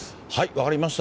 分かりました。